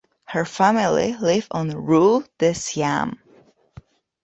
Her family lived on rue de Siam.